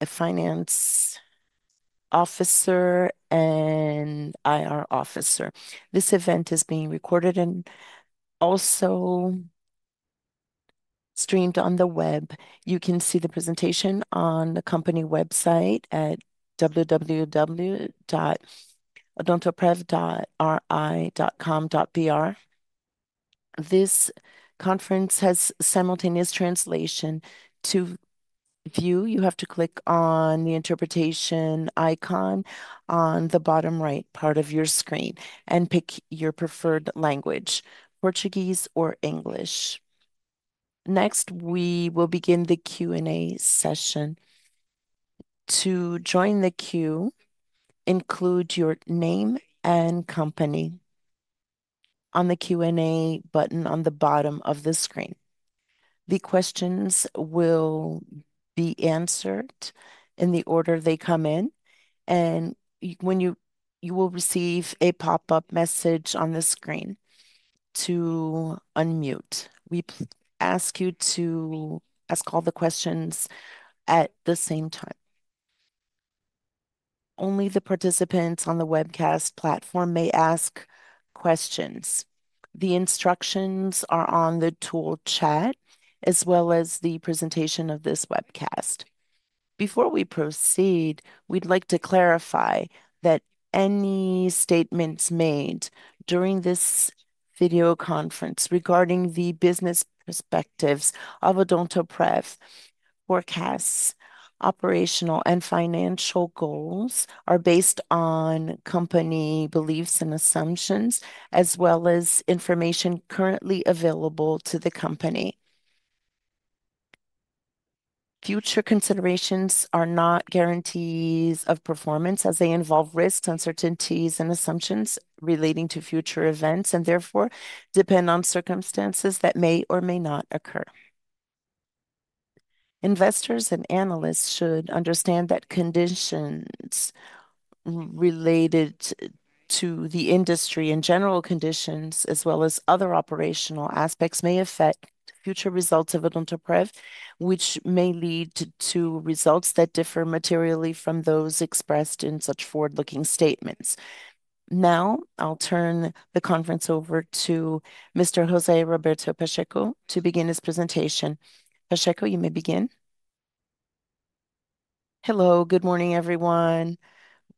A Finance Officer and IR Officer. This event is being recorded and also streamed on the web. You can see the presentation on the company website at www.odontoprev.ri.com.br. This conference has simultaneous translation to view. You have to click on the interpretation icon on the bottom right part of your screen and pick your preferred language, Portuguese or English. Next, we will begin the Q&A session. To join the queue, include your name and company on the Q&A button on the bottom of the screen. The questions will be answered in the order they come in, and you will receive a pop-up message on the screen to unmute. We ask you to ask all the questions at the same time. Only the participants on the webcast platform may ask questions. The instructions are on the tool chat as well as the presentation of this webcast. Before we proceed, we'd like to clarify that any statements made during this video conference regarding the business perspectives of Odontoprev, forecasts, operational and financial goals are based on company beliefs and assumptions, as well as information currently available to the company. Future considerations are not guarantees of performance as they involve risks, uncertainties, and assumptions relating to future events and therefore depend on circumstances that may or may not occur. Investors and analysts should understand that conditions related to the industry and general conditions, as well as other operational aspects, may affect future results of Odontoprev, which may lead to results that differ materially from those expressed in such forward-looking statements. Now, I'll turn the conference over to Mr. José Roberto Pacheco to begin his presentation. Pacheco, you may begin. Hello. Good morning, everyone.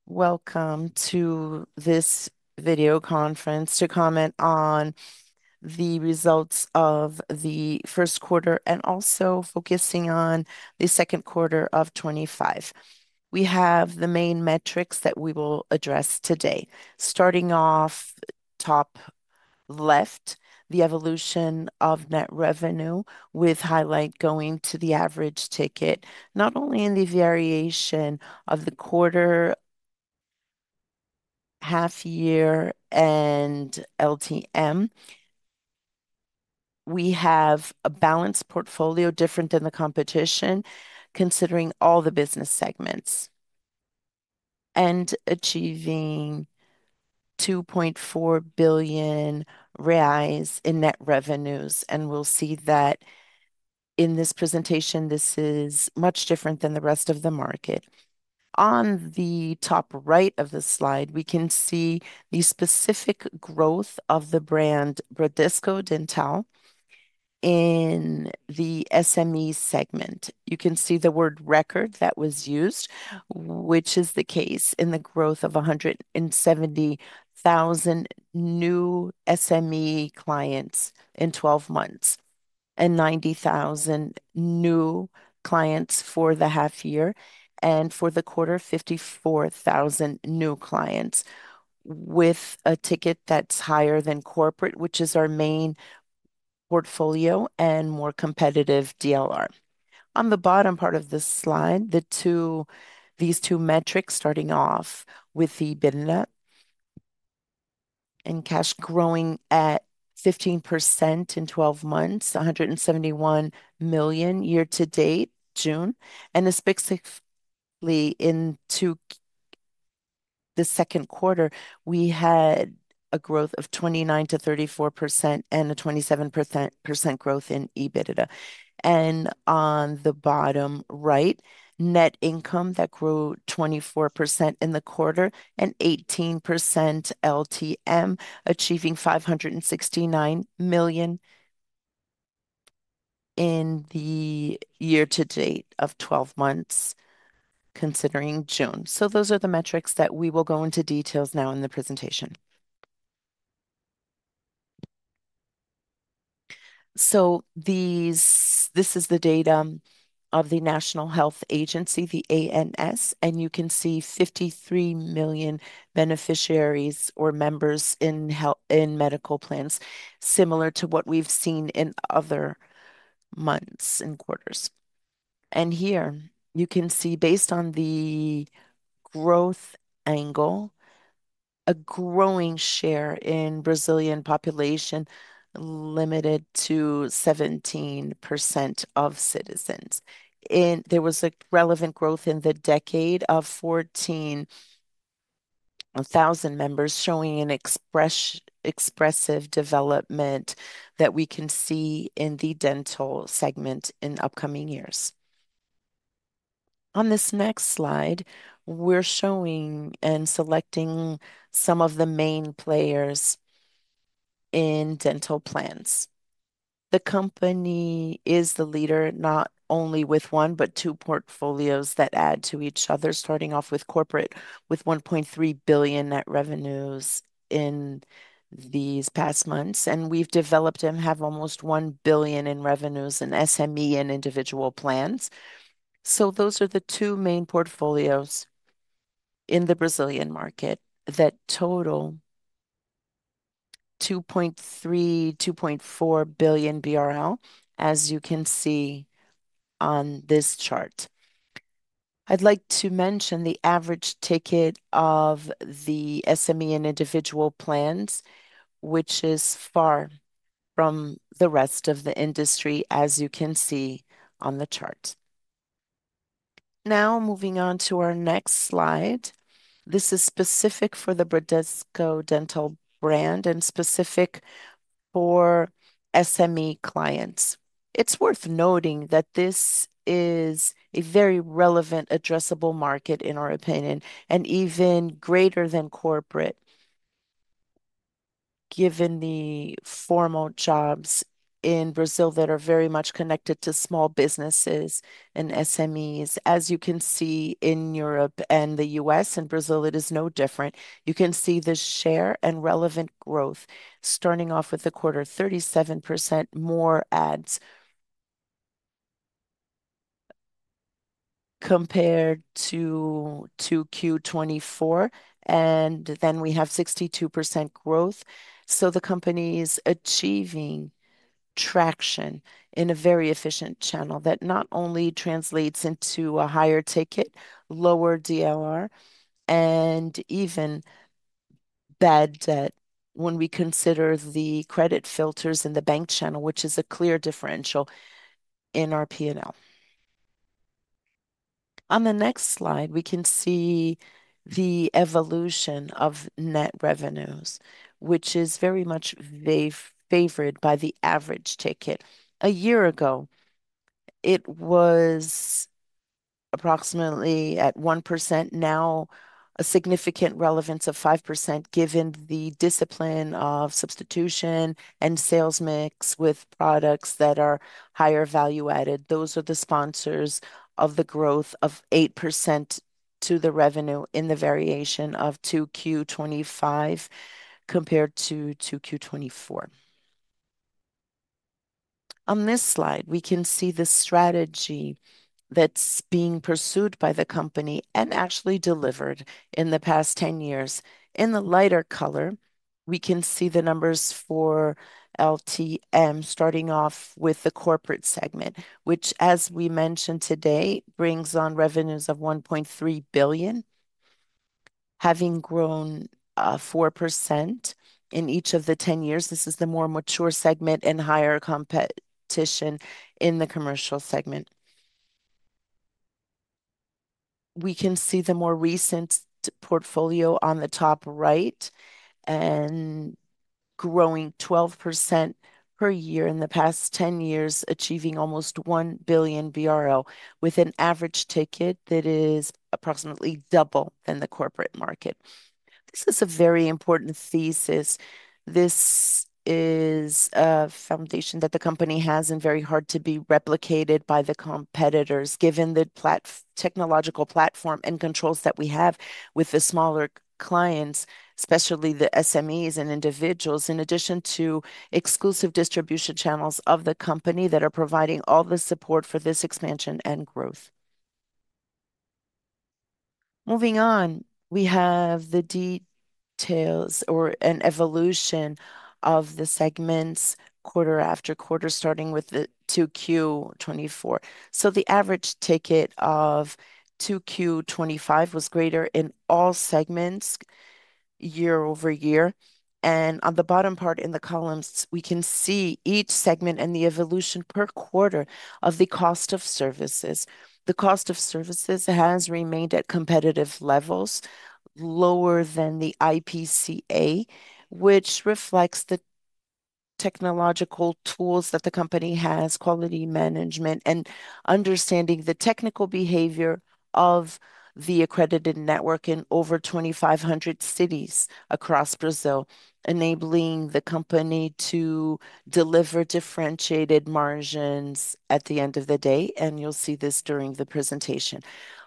Welcome to this video conference to comment on the results of the first quarter and also focusing on the second quarter of 2025. We have the main metrics that we will address today. Starting off top left, the evolution of net revenue, with highlight going to the average ticket, not only in the variation of the quarter, half-year, and LTM. We have a balanced portfolio different than the competition, considering all the business segments, and achieving 2.4 billion reais in net revenues. We will see that in this presentation, this is much different than the rest of the market. On the top right of the slide, we can see the specific growth of the brand Bradesco Dental in the SME segment. You can see the word "record" that was used, which is the case in the growth of 170,000 new SME clients in 12 months and 90,000 new clients for the half-year, and for the quarter, 54,000 new clients, with a ticket that's higher than corporate, which is our main portfolio and more competitive DLR. On the bottom part of the slide, these two metrics starting off with the bidding up and cash growing at 15% in 12 months, 171 million year-to-date, June. Specifically in the second quarter, we had a growth of 29% to 34% and a 27% growth in EBITDA. On the bottom right, net income that grew 24% in the quarter and 18% LTM, achieving 569 million in the year-to-date of 12 months, considering June. Those are the metrics that we will go into details now in the presentation. This is the data of the National Health Agency, the ANS, and you can see 53 million beneficiaries or members in health in medical plans, similar to what we've seen in other months and quarters. Here you can see, based on the growth angle, a growing share in Brazilian population limited to 17% of citizens. There was a relevant growth in the decade of 14,000 members showing an expressive development that we can see in the dental segment in upcoming years. On this next slide, we're showing and selecting some of the main players in dental plans. The company is the leader, not only with one, but two portfolios that add to each other, starting off with corporate with 1.3 billion net revenues in these past months. We've developed and have almost 1 billion in revenues in SME and individual plans. Those are the two main portfolios in the Brazilian market that total 2.3-2.4 billion BRL, as you can see on this chart. I'd like to mention the average ticket of the SME and individual plans, which is far from the rest of the industry, as you can see on the chart. Now, moving on to our next slide. This is specific for the Bradesco Dental brand and specific for SME clients. It's worth noting that this is a very relevant, addressable market in our opinion, and even greater than corporate, given the formal jobs in Brazil that are very much connected to small businesses and SMEs, as you can see in Europe and the U.S. In Brazil, it is no different. You can see the share and relevant growth starting off with the quarter, 37% more ads compared to Q2 2024, and then we have 62% growth. The company is achieving traction in a very efficient channel that not only translates into a higher ticket, lower DLR, and even bad debt when we consider the credit filters in the bank channel, which is a clear differential in our P&L. On the next slide, we can see the evolution of net revenues, which is very much favored by the average ticket. A year ago, it was approximately at 1%, now a significant relevance of 5% given the discipline of substitution and sales mix with products that are higher value added. Those are the sponsors of the growth of 8% to the revenue in the variation of 2Q 2025 compared to 2Q 2024. On this slide, we can see the strategy that's being pursued by the company and actually delivered in the past 10 years. In the lighter color, we can see the numbers for LTM, starting off with the corporate segment, which, as we mentioned today, brings on revenues of 1.3 billion, having grown 4% in each of the 10 years. This is the more mature segment and higher competition in the commercial segment. We can see the more recent portfolio on the top right and growing 12% per year in the past 10 years, achieving almost 1 billion BRL with an average ticket that is approximately double in the corporate market. This is a very important thesis. This is a foundation that the company has and very hard to be replicated by the competitors, given the technological platform and controls that we have with the smaller clients, especially the SMEs and individuals, in addition to exclusive distribution channels of the company that are providing all the support for this expansion and growth. Moving on, we have the details or an evolution of the segments quarter-after-quarter, starting with 2Q 2024. The average ticket of 2Q 2025 was greater in all segments year-over-year. On the bottom part in the columns, we can see each segment and the evolution per quarter of the cost of services. The cost of services has remained at competitive levels, lower than the IPCA, which reflects the technological tools that the company has, quality management, and understanding the technical behavior of the accredited network in over 2,500 cities across Brazil, enabling the company to deliver differentiated margins at the end of the day. You will see this during the presentation.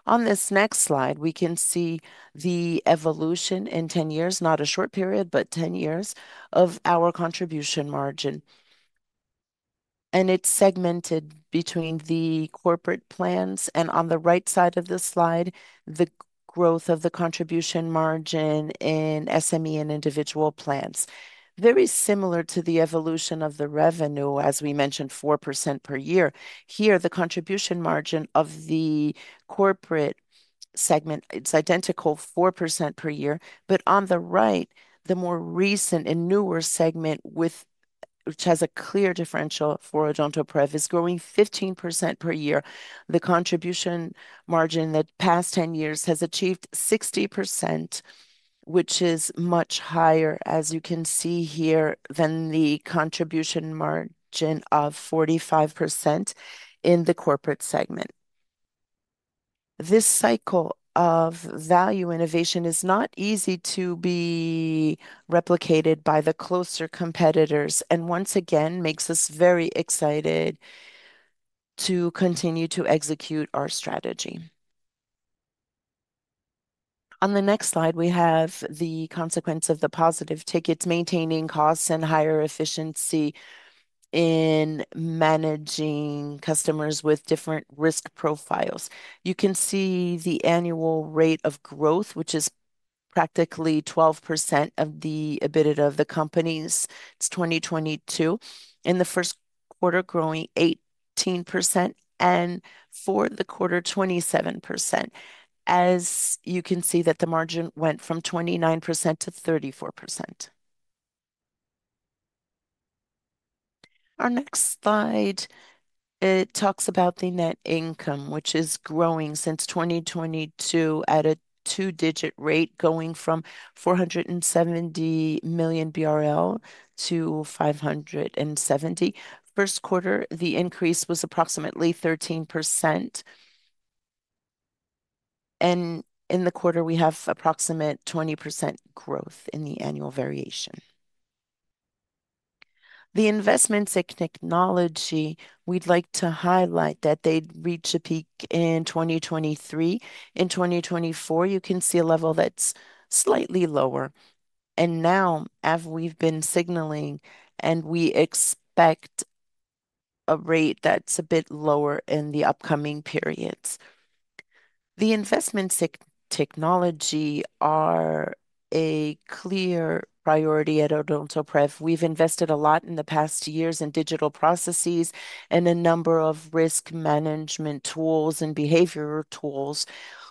On this next slide, we can see the evolution in 10 years, not a short period, but 10 years of our contribution margin. It is segmented between the corporate plans. On the right side of the slide, the growth of the contribution margin in SME and individual plans is very similar to the evolution of the revenue, as we mentioned, 4% per year. Here, the contribution margin of the corporate segment is identical, 4% per year. On the right, the more recent and newer segment, which has a clear differential for Odontoprev, is growing 15% per year. The contribution margin in the past 10 years has achieved 60%, which is much higher, as you can see here, than the contribution margin of 45% in the corporate segment. This cycle of value innovation is not easy to be replicated by the closer competitors and, once again, makes us very excited to continue to execute our strategy. On the next slide, we have the consequence of the positive tickets, maintaining costs and higher efficiency in managing customers with different risk profiles. You can see the annual rate of growth, which is practically 12% of the EBITDA of the company's 2022. In the first quarter, growing 18%, and for the quarter, 27%, as you can see that the margin went from 29% to 34%. Our next slide talks about the net income, which is growing since 2022 at a two-digit rate, going from 470 million BRL to 570 million. First quarter, the increase was approximately 13%. In the quarter, we have approximate 20% growth in the annual variation. The investments in technology, we'd like to highlight that they reach a peak in 2023. In 2024, you can see a level that's slightly lower. As we've been signaling, we expect a rate that's a bit lower in the upcoming periods. The investments in technology are a clear priority at Odontoprev. We've invested a lot in the past years in digital processes and a number of risk management tools and behavior tools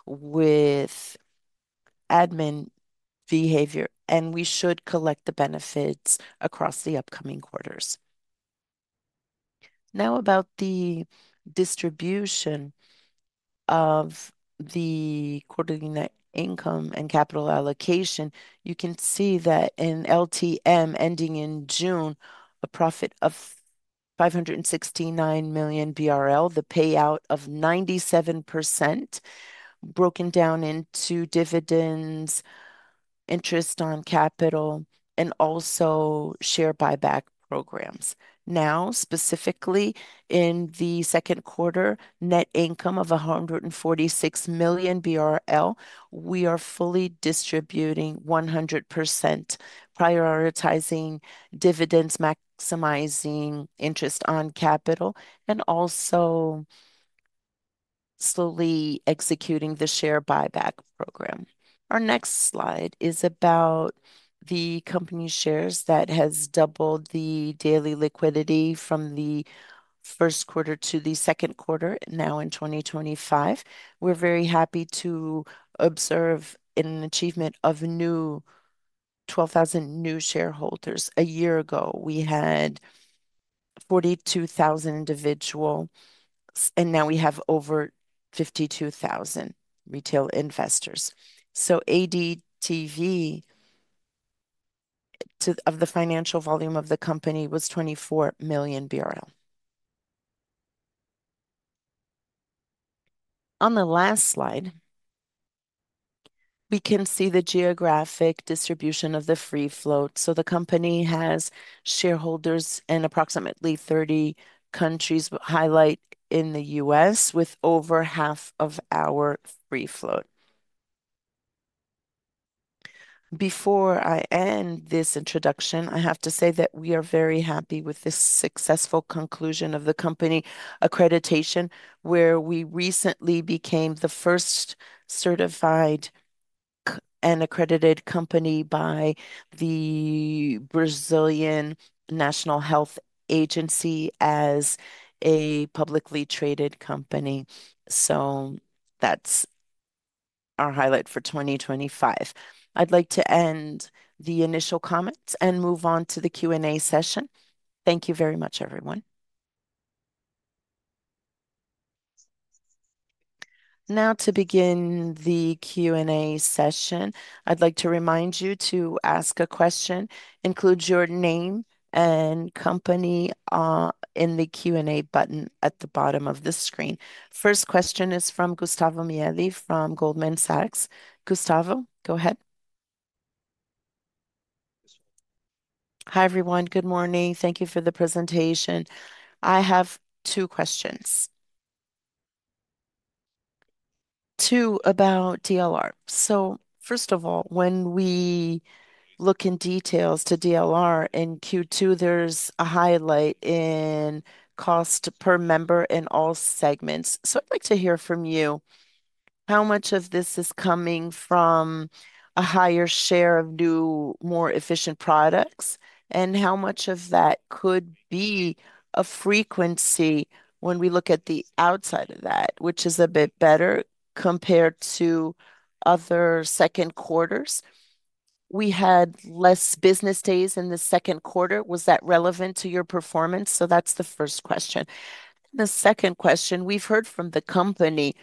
with admin behavior, and we should collect the benefits across the upcoming quarters. Now, about the distribution of the quarterly net income and capital allocation, you can see that in LTM, ending in June, a profit of 569 million BRL, the payout of 97%, broken down into dividends, interest on capital, and also share buyback programs. Specifically in the second quarter, net income of 146 million BRL, we are fully distributing 100%, prioritizing dividends, maximizing interest on capital, and also slowly executing the share buyback program. Our next slide is about the company shares that have doubled the daily liquidity from the first quarter to the second quarter, now in 2025. We're very happy to observe an achievement of 12,000 new shareholders. A year ago, we had 42,000 individuals, and now we have over 52,000 retail investors. The ADTV of the financial volume of the company was 24 million BRL. On the last slide, we can see the geographic distribution of the free float. The company has shareholders in approximately 30 countries, highlight in the U.S., with over half of our free float. Before I end this introduction, I have to say that we are very happy with the successful conclusion of the company accreditation, where we recently became the first certified and accredited company by the ANS as a publicly traded company. That's our highlight for 2025. I'd like to end the initial comments and move on to the Q&A session. Thank you very much, everyone. Now, to begin the Q&A session, I'd like to remind you to ask a question. Include your name and company in the Q&A button at the bottom of the screen. First question is from Gustavo Miele from Goldman Sachs. Gustavo, go ahead. Hi, everyone. Good morning. Thank you for the presentation. I have two questions. Two about DLR. First of all, when we look in details to DLR in Q2, there's a highlight in cost per member in all segments. I'd like to hear from you, how much of this is coming from a higher share of new, more efficient products, and how much of that could be a frequency when we look at the outside of that, which is a bit better compared to other second quarters? We had less business days in the second quarter. Was that relevant to your performance? That's the first question. The second question, we've heard from the company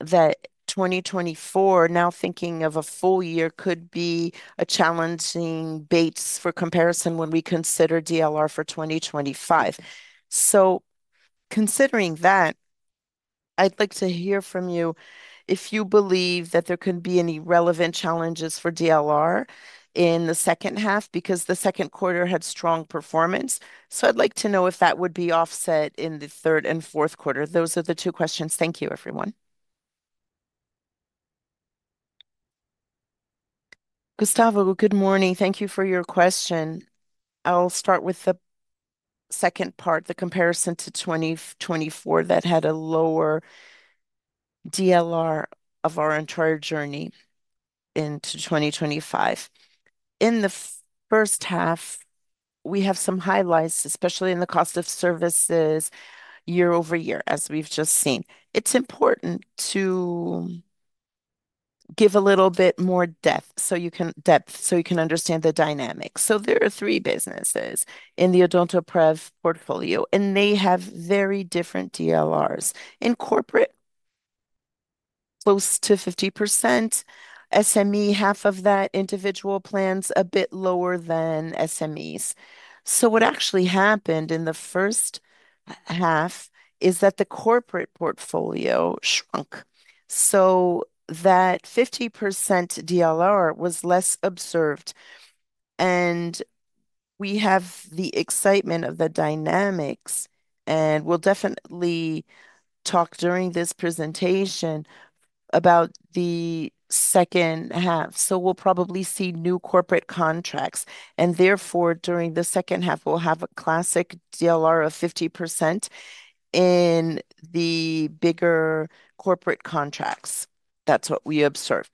that 2024, now thinking of a full year, could be a challenging base for comparison when we consider DLR for 2025. Considering that, I'd like to hear from you if you believe that there could be any relevant challenges for DLR in the second half because the second quarter had strong performance. I'd like to know if that would be offset in the third and fourth quarter. Those are the two questions. Thank you, everyone. Gustavo, good morning. Thank you for your question. I'll start with the second part, the comparison to 2024 that had a lower DLR of our entire journey into 2025. In the first half, we have some highlights, especially in the cost of services year-over-year, as we've just seen. It's important to give a little bit more depth so you can understand the dynamics. There are three businesses in the Odontoprev portfolio, and they have very different DLRs. In corporate, close to 50%. SME, half of that. Individual plans, a bit lower than SMEs. What actually happened in the first half is that the corporate portfolio shrunk. That 50% DLR was less observed. We have the excitement of the dynamics, and we'll definitely talk during this presentation about the second half. We'll probably see new corporate contracts. Therefore, during the second half, we'll have a classic DLR of 50% in the bigger corporate contracts. That's what we observed.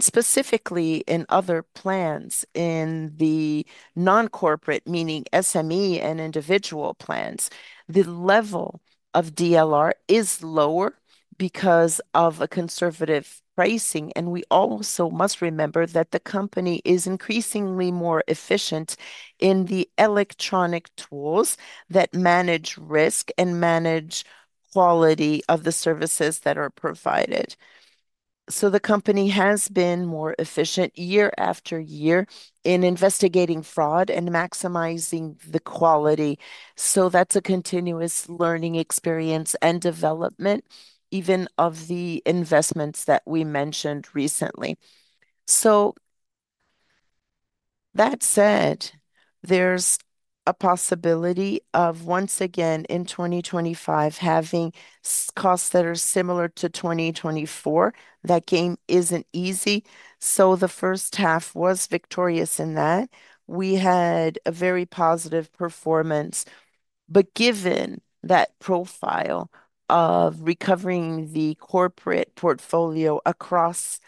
Specifically in other plans, in the non-corporate, meaning SME and individual plans, the level of DLR is lower because of a conservative pricing. We also must remember that the company is increasingly more efficient in the electronic tools that manage risk and manage the quality of the services that are provided. The company has been more efficient year-after-year in investigating fraud and maximizing the quality. That's a continuous learning experience and development, even of the investments that we mentioned recently. That said, there's a possibility of, once again, in 2025, having costs that are similar to 2024. That game isn't easy. The first half was victorious in that. We had a very positive performance. Given that profile of recovering the corporate portfolio across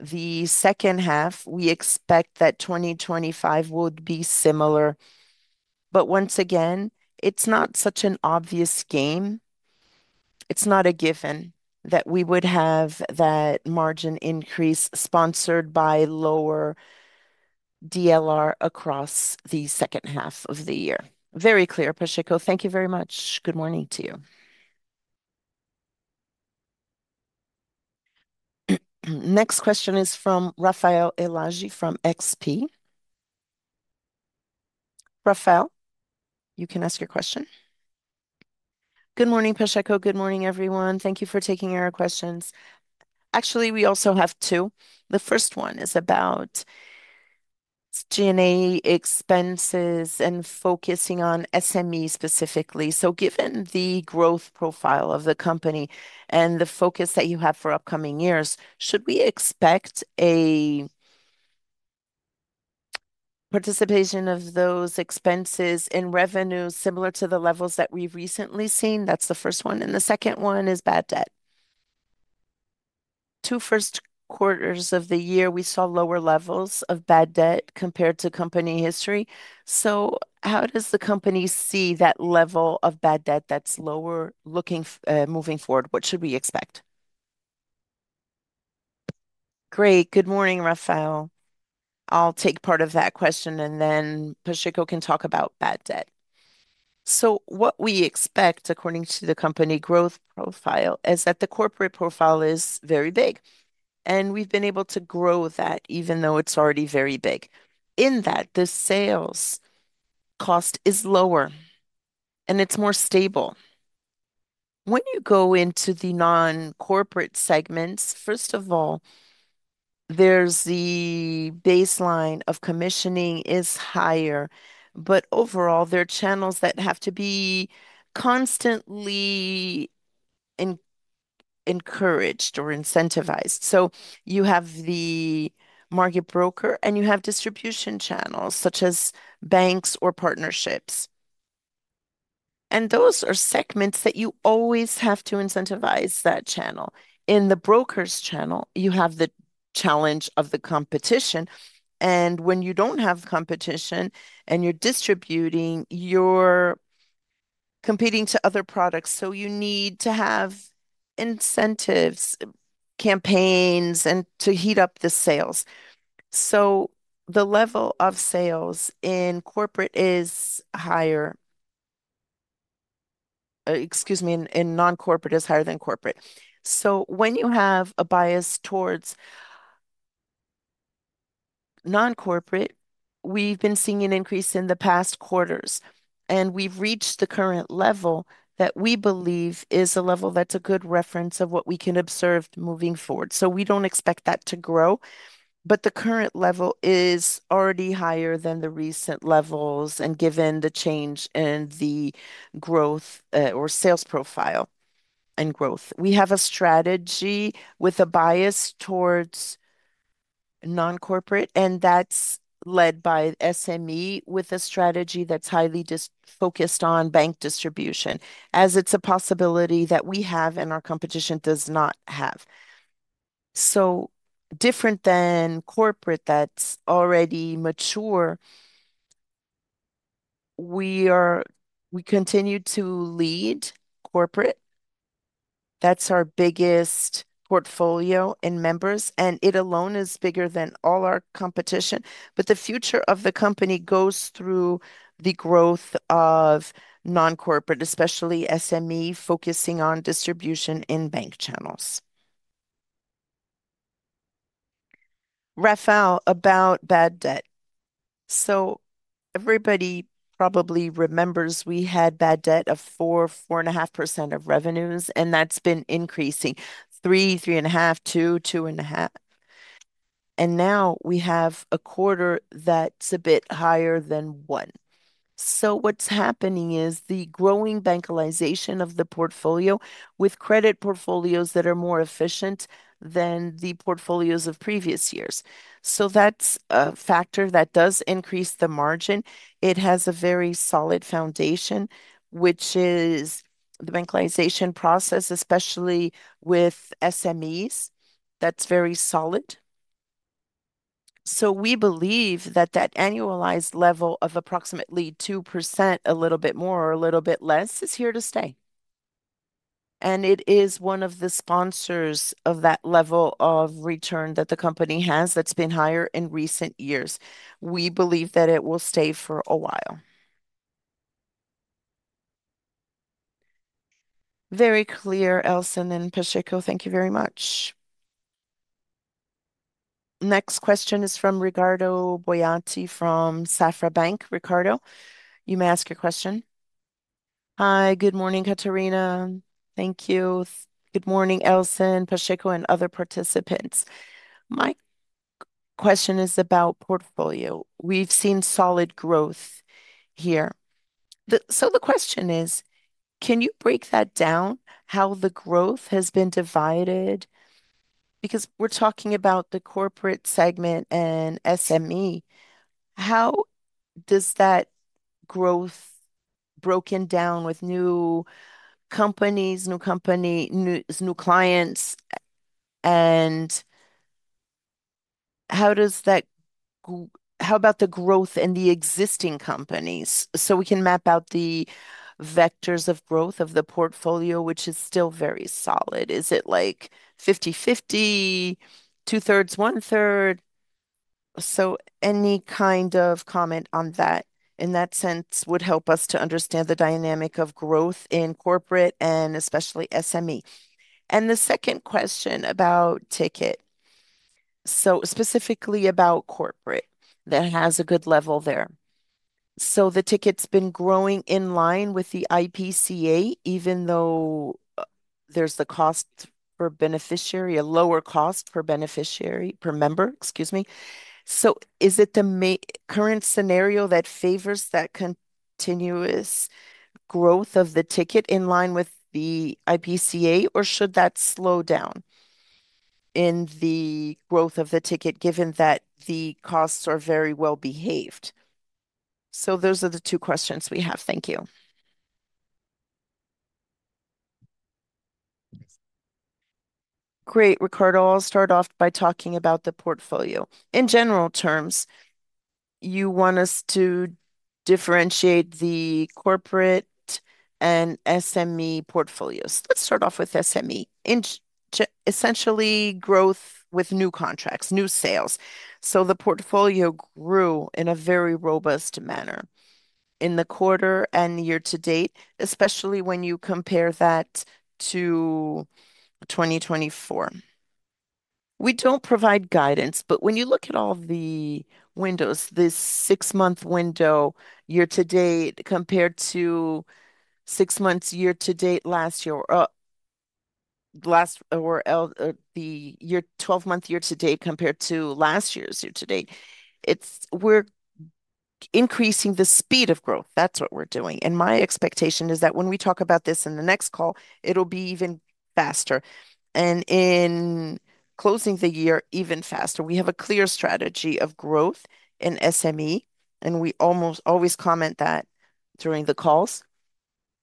the second half, we expect that 2025 would be similar. Once again, it's not such an obvious game. It's not a given that we would have that margin increase sponsored by lower DLR across the second half of the year. Very clear, Pacheco. Thank you very much. Good morning to you. Next question is from Raphael Elage from XP. Rafael, you can ask your question. Good morning, Pacheco. Good morning, everyone. Thank you for taking our questions. Actually, we also have two. The first one is about G&A expenses and focusing on SME specifically. Given the growth profile of the company and the focus that you have for upcoming years, should we expect a participation of those expenses in revenue similar to the levels that we've recently seen? That's the first one. The second one is bad debt. Two first quarters of the year, we saw lower levels of bad debt compared to company history. How does the company see that level of bad debt that's lower looking moving forward? What should we expect? Great. Good morning, Rafael. I'll take part of that question, and then Pacheco can talk about bad debt. What we expect, according to the company growth profile, is that the corporate profile is very big. We've been able to grow that even though it's already very big. In that, the sales cost is lower, and it's more stable. When you go into the non-corporate segments, first of all, the baseline of commissioning is higher, but overall, there are channels that have to be constantly encouraged or incentivized. You have the market broker, and you have distribution channels such as banks or partnerships. Those are segments that you always have to incentivize that channel. In the broker's channel, you have the challenge of the competition. When you don't have competition and you're distributing, you're competing to other products. You need to have incentives, campaigns, and to heat up the sales. The level of sales in corporate is higher. Excuse me, in non-corporate is higher than corporate. When you have a bias towards non-corporate, we've been seeing an increase in the past quarters, and we've reached the current level that we believe is a level that's a good reference of what we can observe moving forward. We don't expect that to grow, but the current level is already higher than the recent levels. Given the change in the growth or sales profile and growth, we have a strategy with a bias towards non-corporate, and that's led by SME with a strategy that's highly focused on bank distribution, as it's a possibility that we have and our competition does not have. Different than corporate that's already mature, we continue to lead corporate. That's our biggest portfolio in members, and it alone is bigger than all our competition. The future of the company goes through the growth of non-corporate, especially SME focusing on distribution in bank channels. Rafael, about bad debt. Everybody probably remembers we had bad debt of 4%, 4.5% of revenues, and that's been increasing. 3%, 3.5%, 2%, 2.5%. Now we have a quarter that's a bit higher than 1%. What's happening is the growing bankarization of the portfolio with credit portfolios that are more efficient than the portfolios of previous years. That's a factor that does increase the margin. It has a very solid foundation, which is the bankarization process, especially with SMEs. That's very solid. We believe that that annualized level of approximately 2%, a little bit more or a little bit less, is here to stay. It is one of the sponsors of that level of return that the company has that's been higher in recent years. We believe that it will stay for a while. Very clear, Elsen and Pacheco. Thank you very much. Next question is from Ricardo Boiati from Safra Bank. Ricardo, you may ask your question. Hi. Good morning, Catarina. Thank you. Good morning, Elsen, Pacheco, and other participants. My question is about portfolio. We've seen solid growth here. The question is, can you break that down, how the growth has been divided? We're talking about the corporate segment and SME. How is that growth broken down with new companies, new company, new clients, and how about the growth in the existing companies? We can map out the vectors of growth of the portfolio, which is still very solid. Is it like 50/50, 2/3, 1/3? Any kind of comment on that in that sense would help us to understand the dynamic of growth in corporate and especially SME. The second question about ticket, specifically about corporate that has a good level there. The ticket's been growing in line with the IPCA, even though there's the cost per beneficiary, a lower cost per beneficiary, per member, excuse me. Is it the current scenario that favors that continuous growth of the ticket in line with the IPCA, or should that slow down in the growth of the ticket, given that the costs are very well-behaved? Those are the two questions we have. Thank you. Great. Ricardo, I'll start off by talking about the portfolio. In general terms, you want us to differentiate the corporate and SME portfolios. Let's start off with SME. Essentially, growth with new contracts, new sales. The portfolio grew in a very robust manner in the quarter and year-to-date, especially when you compare that to 2024. We don't provide guidance, but when you look at all the windows, this 6-month window year-to-date compared to 6 months year-to-date last year or the 12-month year-to-date compared to last year's year-to-date, we're increasing the speed of growth. That's what we're doing. My expectation is that when we talk about this in the next call, it'll be even faster. In closing the year, even faster. We have a clear strategy of growth in SME, and we almost always comment that during the calls.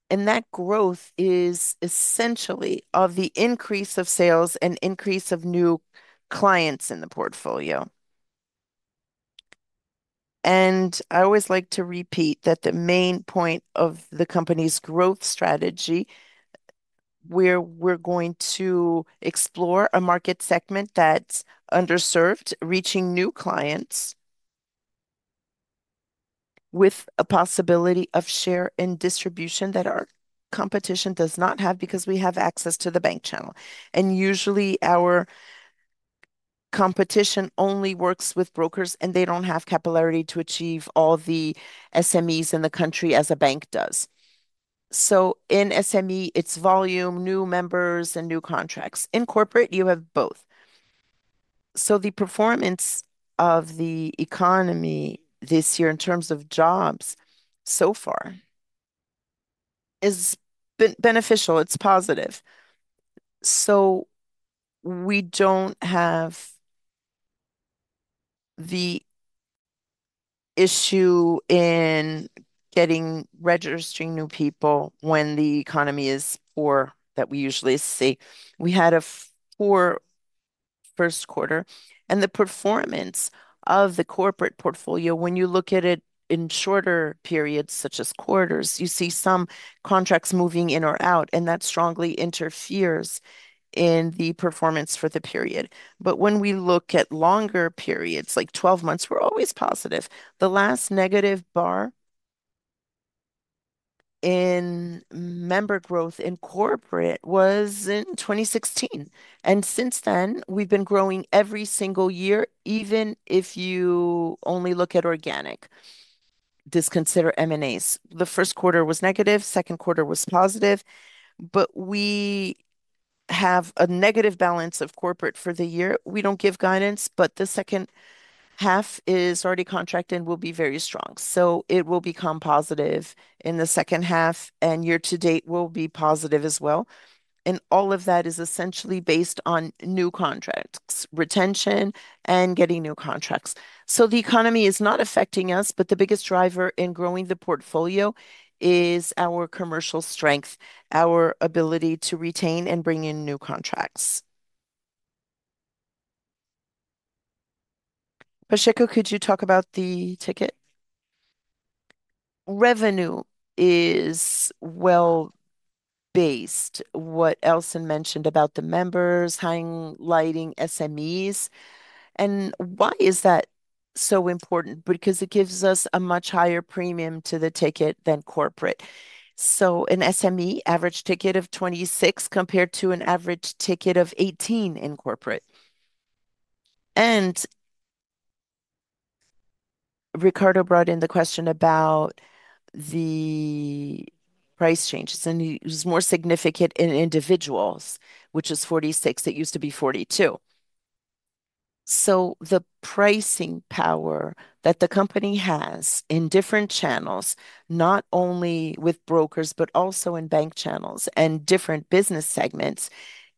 That growth is essentially the increase of sales and increase of new clients in the portfolio. I always like to repeat that the main point of the company's growth strategy is where we're going to explore a market segment that's underserved, reaching new clients with a possibility of share and distribution that our competition does not have because we have access to the bank channel. Usually, our competition only works with brokers, and they don't have capillarity to achieve all the SMEs in the country as a bank does. In SME, it's volume, new members, and new contracts. In corporate, you have both. The performance of the economy this year in terms of jobs so far has been beneficial. It's positive. We don't have the issue in getting registering new people when the economy is poor that we usually see. We had a poor first quarter, and the performance of the corporate portfolio, when you look at it in shorter periods such as quarters, you see some contracts moving in or out, and that strongly interferes in the performance for the period. When we look at longer periods, like 12 months, we're always positive. The last negative bar in member growth in corporate was in 2016. Since then, we've been growing every single year, even if you only look at organic. Just consider M&As. The first quarter was negative. The second quarter was positive. We have a negative balance of corporate for the year. We don't give guidance, but the second half is already contracted and will be very strong. It will become positive in the second half, and year-to-date will be positive as well. All of that is essentially based on new contracts, retention, and getting new contracts. The economy is not affecting us, but the biggest driver in growing the portfolio is our commercial strength, our ability to retain and bring in new contracts. Pacheco, could you talk about the ticket? Revenue is well-based, what Elsen mentioned about the members highlighting SMEs. Why is that so important? Because it gives us a much higher premium to the ticket than corporate. An SME average ticket of 26 compared to an average ticket of 18 in corporate. Ricardo brought in the question about the price changes. It was more significant in individuals, which is 46. It used to be 42. The pricing power that the company has in different channels, not only with brokers, but also in bank channels and different business segments,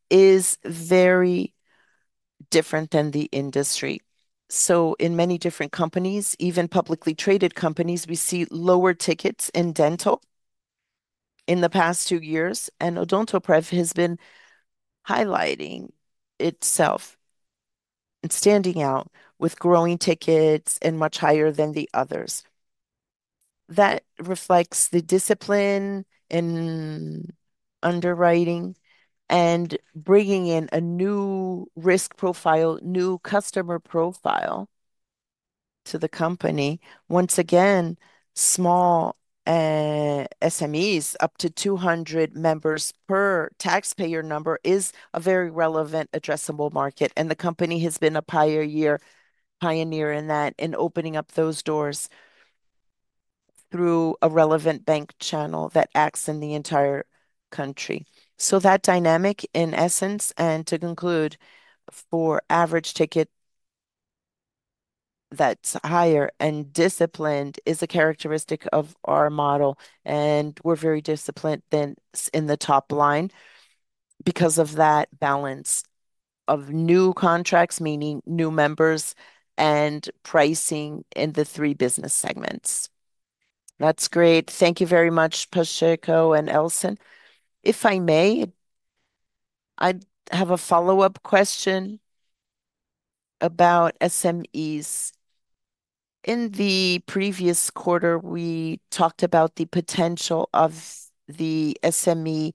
is very different than the industry. In many different companies, even publicly traded companies, we see lower tickets in dental in the past 2 years, and Odontoprev has been highlighting itself and standing out with growing tickets and much higher than the others. That reflects the discipline in underwriting and bringing in a new risk profile, new customer profile to the company. Once again, small SMEs, up to 200 members per taxpayer number, is a very relevant, addressable market. The company has been a pioneer in that and opening up those doors through a relevant bank channel that acts in the entire country. That dynamic, in essence, and to conclude, for average ticket that's higher and disciplined is a characteristic of our model. We're very disciplined in the top line because of that balance of new contracts, meaning new members, and pricing in the three business segments. That's great. Thank you very much, Pacheco and Elsen. If I may, I have a follow-up question about SMEs. In the previous quarter, we talked about the potential of the SME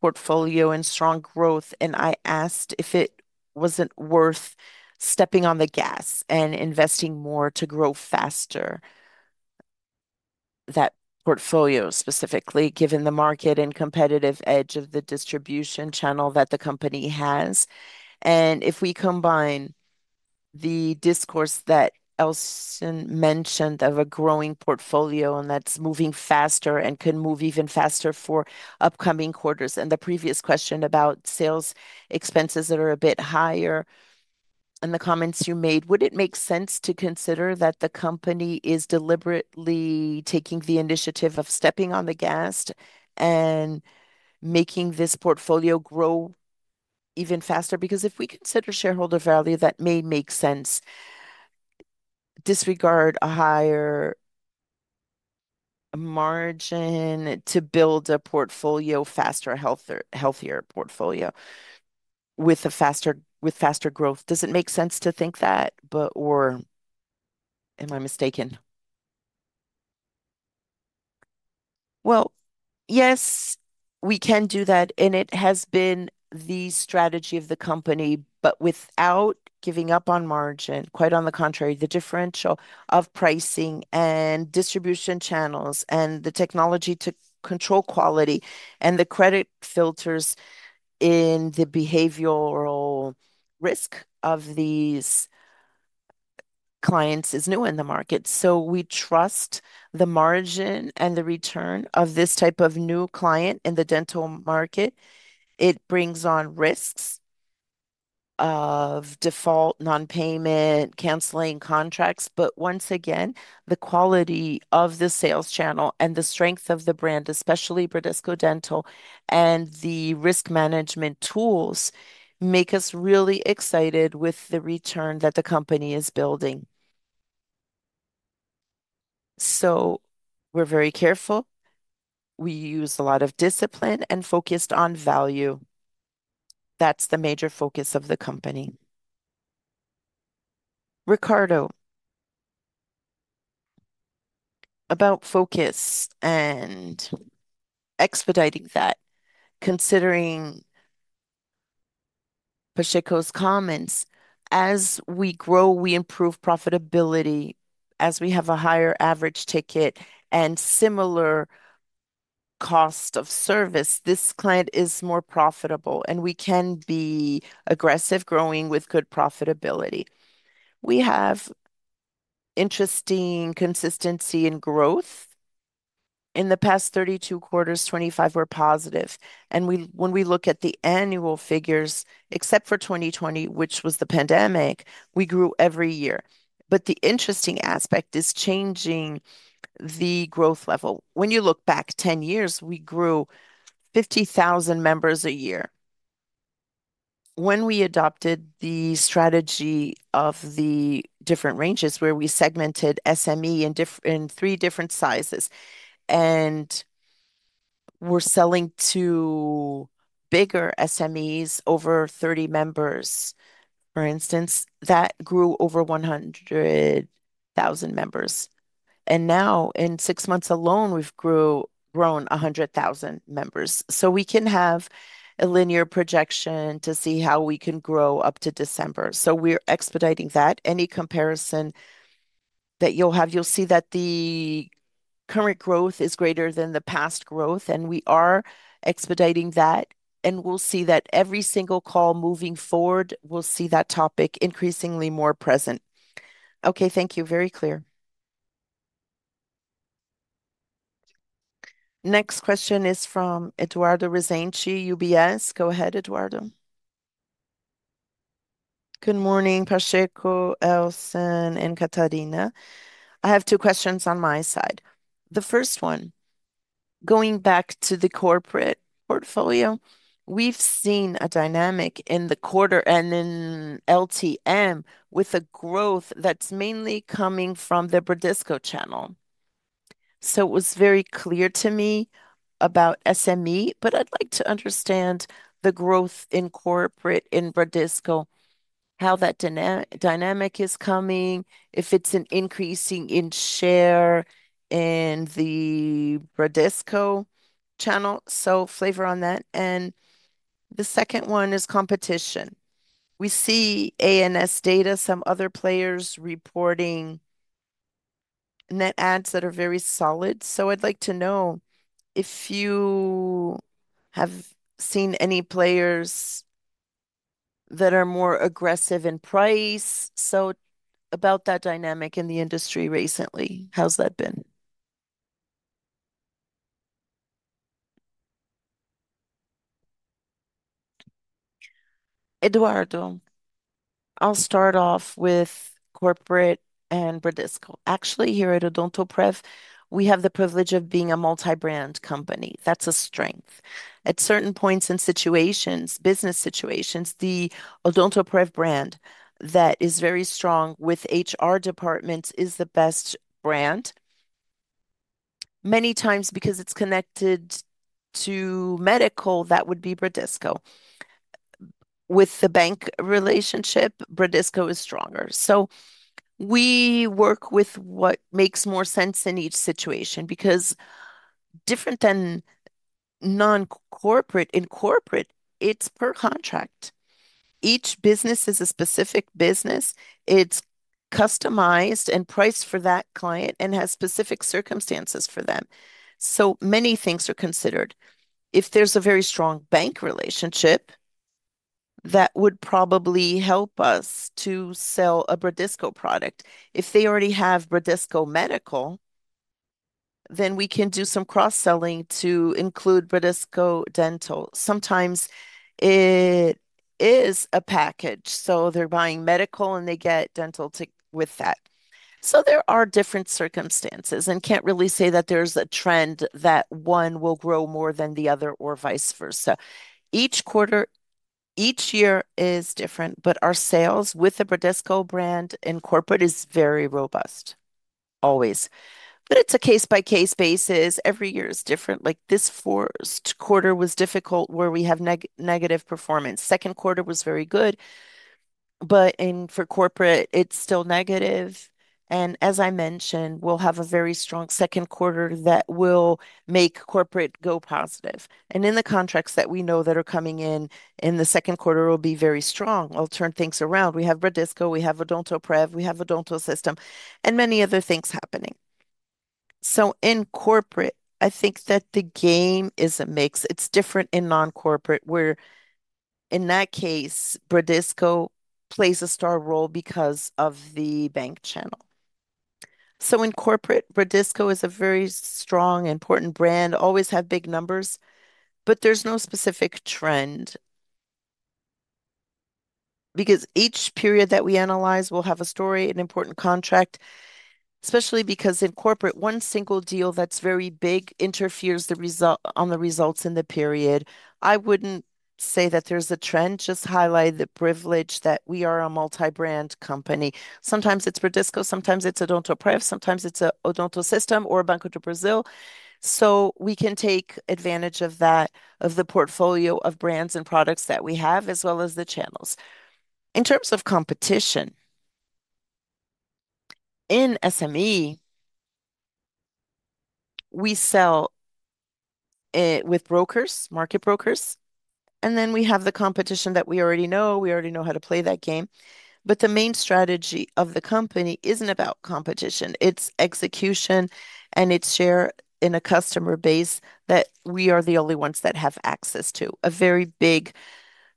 portfolio and strong growth, and I asked if it wasn't worth stepping on the gas and investing more to grow faster that portfolio specifically, given the market and competitive edge of the distribution channel that the company has. If we combine the discourse that Elsen mentioned of a growing portfolio and that's moving faster and can move even faster for upcoming quarters, and the previous question about sales expenses that are a bit higher and the comments you made, would it make sense to consider that the company is deliberately taking the initiative of stepping on the gas and making this portfolio grow even faster? Because if we consider shareholder value, that may make sense. Disregard a higher margin to build a portfolio faster, a healthier portfolio with faster growth. Does it make sense to think that, or am I mistaken? Yes, we can do that, and it has been the strategy of the company, but without giving up on margin. Quite on the contrary, the differential of pricing and distribution channels and the technology to control quality and the credit filters in the behavioral risk of these clients is new in the market. We trust the margin and the return of this type of new client in the dental market. It brings on risks of default, non-payment, cancelling contracts. Once again, the quality of the sales channel and the strength of the brand, especially Bradesco Dental, and the risk management tools make us really excited with the return that the company is building. We're very careful. We use a lot of discipline and focus on value. That's the major focus of the company. Ricardo, about focus and expediting that, considering Pacheco's comments, as we grow, we improve profitability. As we have a higher average ticket and similar cost of service, this client is more profitable, and we can be aggressive growing with good profitability. We have interesting consistency in growth. In the past 32 quarters, 25 were positive. When we look at the annual figures, except for 2020, which was the pandemic, we grew every year. The interesting aspect is changing the growth level. When you look back 10 years, we grew 50,000 members a year. When we adopted the strategy of the different ranges, where we segmented SME in three different sizes, and we're selling to bigger SMEs over 30 members, for instance, that grew over 100,000 members. Now, in 6 months alone, we've grown 100,000 members. We can have a linear projection to see how we can grow up to December. We're expediting that. Any comparison that you'll have, you'll see that the current growth is greater than the past growth, and we are expediting that. We'll see that every single call moving forward, we'll see that topic increasingly more present. Thank you. Very clear. Next question is from Eduardo Resende, UBS. Go ahead, Eduardo. Good morning, Pacheco, Elsen, and Catarina. I have two questions on my side. The first one, going back to the corporate portfolio, we've seen a dynamic in the quarter and in LTM with a growth that's mainly coming from the Bradesco channel. It was very clear to me about SME, but I'd like to understand the growth in corporate in Bradesco, how that dynamic is coming, if it's increasing in share in the Bradesco channel. Flavor on that. The second one is competition. We see ANS data, some other players reporting net ads that are very solid. I'd like to know if you have seen any players that are more aggressive in price. About that dynamic in the industry recently, how's that been? Eduardo, I'll start off with corporate and Bradesco. Actually, here at Odontoprev, we have the privilege of being a multi-brand company. That's a strength. At certain points and situations, business situations, the Odontoprev brand that is very strong with HR departments is the best brand. Many times, because it's connected to medical, that would be Bradesco. With the bank relationship, Bradesco is stronger. We work with what makes more sense in each situation because different than non-corporate, in corporate, it's per contract. Each business is a specific business. It's customized and priced for that client and has specific circumstances for them. Many things are considered. If there's a very strong bank relationship, that would probably help us to sell a Bradesco product. If they already have Bradesco Medical, then we can do some cross-selling to include Bradesco Dental. Sometimes it is a package. They're buying medical, and they get dental with that. There are different circumstances, and can't really say that there's a trend that one will grow more than the other or vice versa. Each quarter, each year is different, but our sales with the Bradesco brand in corporate is very robust, always. It's a case-by-case basis. Every year is different. Like this fourth quarter was difficult where we have negative performance. Second quarter was very good. For corporate, it's still negative. As I mentioned, we'll have a very strong second quarter that will make corporate go positive. In the contracts that we know that are coming in, the second quarter will be very strong. We'll turn things around. We have Bradesco, we have Odontoprev, we have Odonto System, and many other things happening. In corporate, I think that the game is a mix. It's different in non-corporate, where in that case, Bradesco plays a star role because of the bank channel. In corporate, Bradesco is a very strong, important brand. Always have big numbers, but there's no specific trend because each period that we analyze will have a story, an important contract. Especially because in corporate, one single deal that's very big interferes on the results in the period. I wouldn't say that there's a trend. Just highlight the privilege that we are a multi-brand company. Sometimes it's Bradesco, sometimes it's Odontoprev, sometimes it's Odonto System or Banco do Brasil. We can take advantage of that, of the portfolio of brands and products that we have, as well as the channels. In terms of competition, in SME, we sell with brokers, market brokers, and then we have the competition that we already know. We already know how to play that game. The main strategy of the company isn't about competition. It's execution and its share in a customer base that we are the only ones that have access to, a very big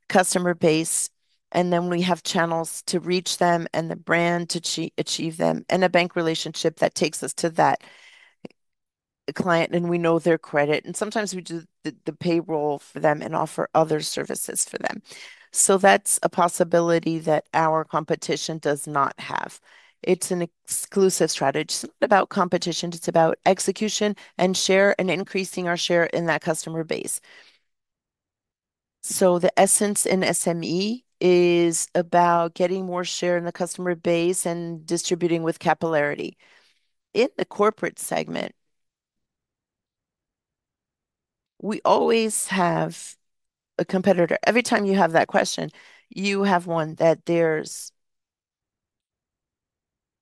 customer base. We have channels to reach them and the brand to achieve them, and a bank relationship that takes us to that client, and we know their credit. Sometimes we do the payroll for them and offer other services for them. That's a possibility that our competition does not have. It's an exclusive strategy. It's not about competition. It's about execution and share and increasing our share in that customer base. The essence in SME is about getting more share in the customer base and distributing with capillarity. In the corporate segment, we always have a competitor. Every time you have that question, you have one that there's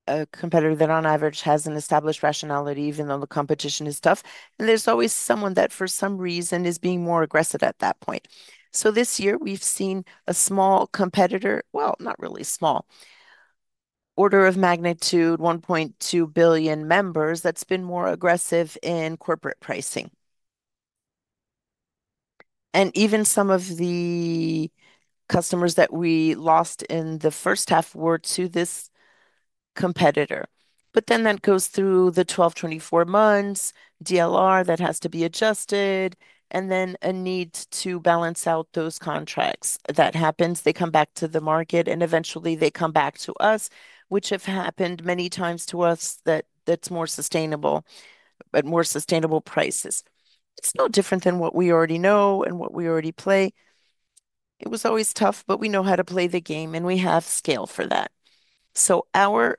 a competitor that on average has an established rationality, even though the competition is tough. There's always someone that, for some reason, is being more aggressive at that point. This year, we've seen a small competitor, well, not really small, order of magnitude 1.2 billion members, that's been more aggressive in corporate pricing. Even some of the customers that we lost in the first half were to this competitor. That goes through the 12/24 months, DLR that has to be adjusted, and then a need to balance out those contracts. That happens. They come back to the market, and eventually, they come back to us, which have happened many times to us that that's more sustainable, but more sustainable prices. It's still different than what we already know and what we already play. It was always tough, but we know how to play the game, and we have scale for that. Our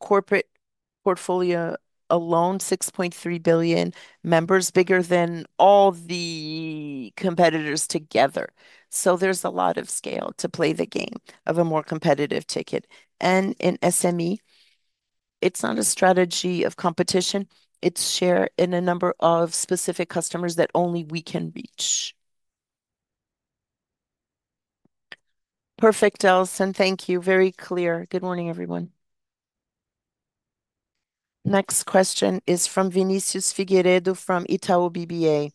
corporate portfolio alone, 6.3 billion members, bigger than all the competitors together. There's a lot of scale to play the game of a more competitive ticket. In SME, it's not a strategy of competition. It's share in a number of specific customers that only we can reach. Perfect, Elsen. Thank you. Very clear. Good morning, everyone. Next question is from Vinicius Figueiredo from Itaú BBA.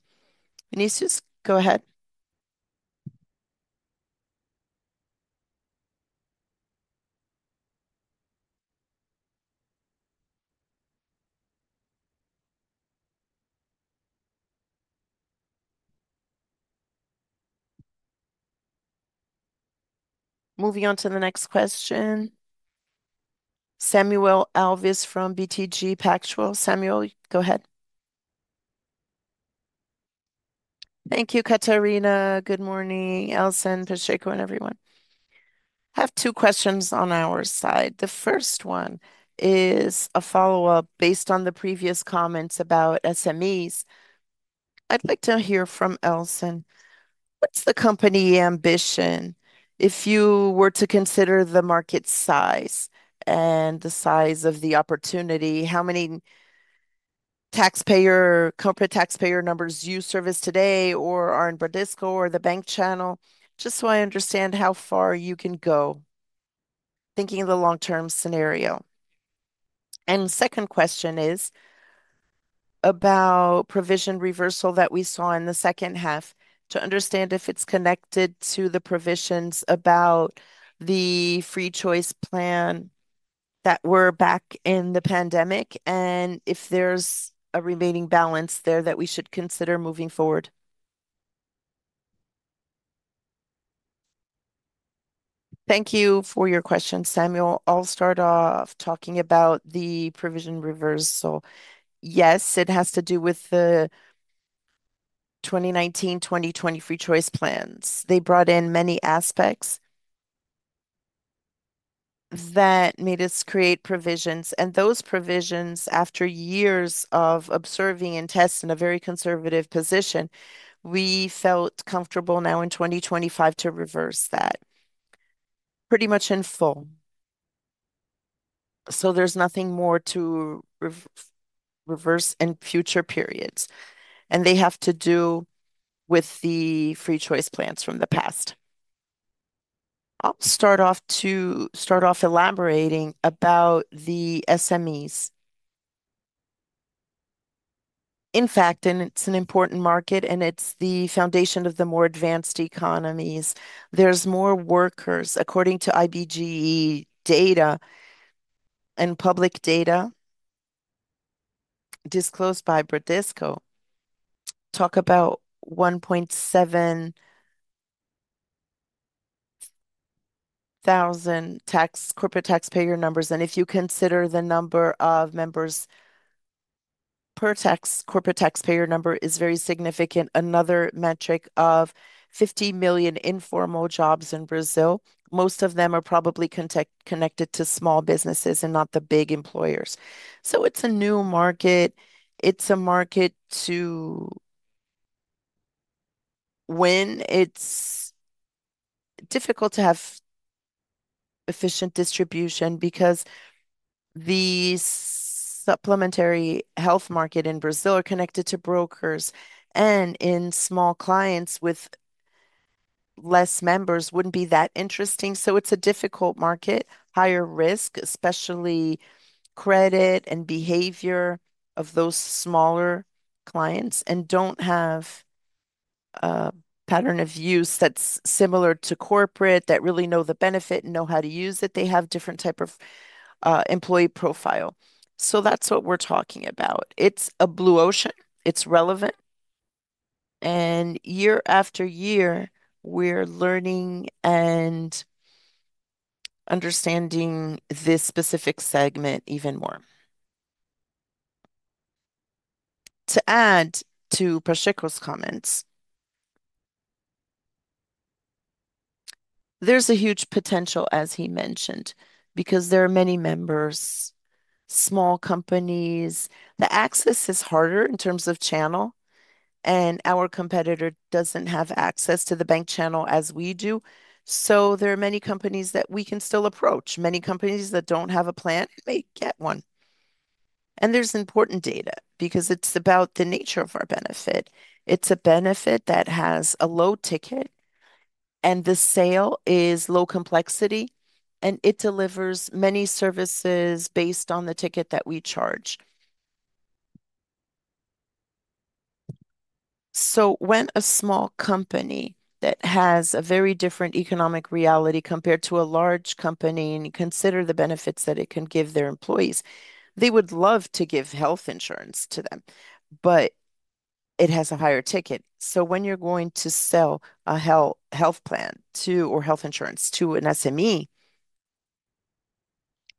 Vinicius, go ahead. Moving on to the next question. Samuel Alves from BTG Pactual. Samuel, go ahead. Thank you, Catarina. Good morning, Elsen, Pacheco, and everyone. I have two questions on our side. The first one is a follow-up based on the previous comments about SMEs. I'd like to hear from Elsen. What's the company ambition? If you were to consider the market size and the size of the opportunity, how many taxpayer or corporate taxpayer numbers do you service today or are in Bradesco or the bank channel? Just so I understand how far you can go, thinking of the long-term scenario. The second question is about provision reversal that we saw in the second half, to understand if it's connected to the provisions about the free choice plan that were back in the pandemic, and if there's a remaining balance there that we should consider moving forward. Thank you for your questions, Samuel. I'll start off talking about the provision reversal. Yes, it has to do with the 2019-2020 free choice plans. They brought in many aspects that made us create provisions. Those provisions, after years of observing and testing in a very conservative position, we felt comfortable now in 2025 to reverse that pretty much in full. There's nothing more to reverse in future periods. They have to do with the free choice plans from the past. I'll start off elaborating about the SME plans. In fact, it's an important market, and it's the foundation of the more advanced economies. There's more workers, according to IBGE data and public data disclosed by Bradesco. Talk about 1,700 corporate taxpayer numbers. If you consider the number of members per corporate taxpayer number, it's very significant. Another metric of 50 million informal jobs in Brazil. Most of them are probably connected to small businesses and not the big employers. It's a new market. It's a market to win. It's difficult to have efficient distribution because the supplementary health market in Brazil is connected to brokers. In small clients with less members, it wouldn't be that interesting. It's a difficult market, higher risk, especially credit and behavior of those smaller clients and don't have a pattern of use that's similar to corporate that really know the benefit and know how to use it. They have a different type of employee profile. That's what we're talking about. It's a blue ocean. It's relevant. Year-after-year, we're learning and understanding this specific segment even more. To add to Pacheco's comments, there's a huge potential, as he mentioned, because there are many members, small companies. The access is harder in terms of channel, and our competitor doesn't have access to the bank channel as we do. There are many companies that we can still approach. Many companies that don't have a plan, they get one. There's important data because it's about the nature of our benefit. It's a benefit that has a low ticket, and the sale is low complexity, and it delivers many services based on the ticket that we charge. When a small company that has a very different economic reality compared to a large company, and you consider the benefits that it can give their employees, they would love to give health insurance to them, but it has a higher ticket. When you're going to sell a health plan or health insurance to an SME,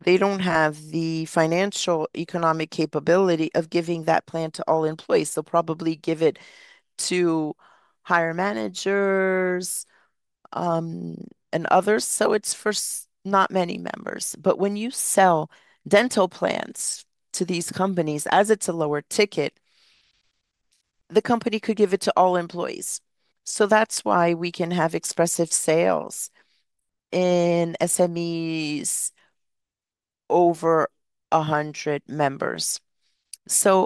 they don't have the financial economic capability of giving that plan to all employees. They'll probably give it to higher managers and others. It's for not many members. When you sell dental plans to these companies, as it's a lower ticket, the company could give it to all employees. That's why we can have expressive sales in SMEs over 100 members.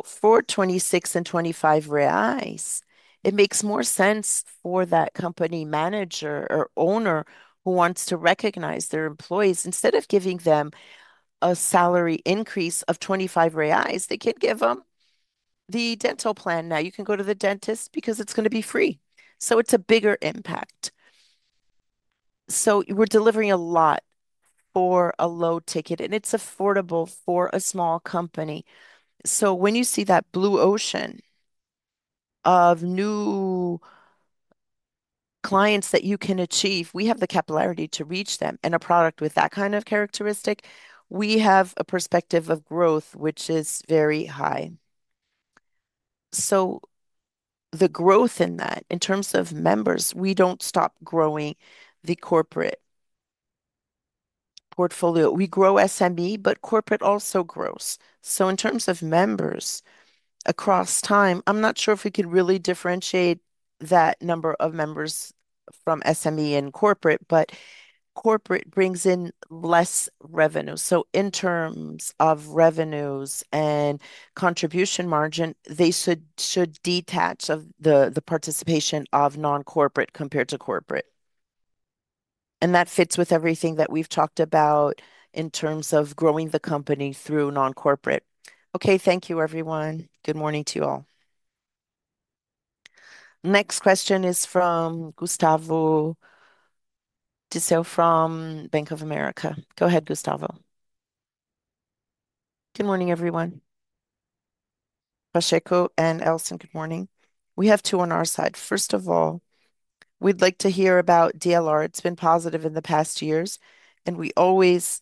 For 26 and 25 reais, it makes more sense for that company manager or owner who wants to recognize their employees. Instead of giving them a salary increase of 25 reais, they can give them the dental plan. Now, you can go to the dentist because it's going to be free. It's a bigger impact. We're delivering a lot for a low ticket, and it's affordable for a small company. When you see that blue ocean of new clients that you can achieve, we have the capillarity to reach them. A product with that kind of characteristic, we have a perspective of growth, which is very high. The growth in that, in terms of members, we don't stop growing the corporate portfolio. We grow SME, but corporate also grows. In terms of members across time, I'm not sure if we could really differentiate that number of members from SME and corporate, but corporate brings in less revenue. In terms of revenues and contribution margin, they should detach of the participation of non-corporate compared to corporate. That fits with everything that we've talked about in terms of growing the company through non-corporate. Okay. Thank you, everyone. Good morning to you all. Next question is from Gustavo Tiseo from Bank of America. Go ahead, Gustavo. Good morning, everyone. Pacheco and Elsen, good morning. We have two on our side. First of all, we'd like to hear about DLR. It's been positive in the past years, and we always